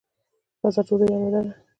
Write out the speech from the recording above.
راځه، ډوډۍ اماده ده.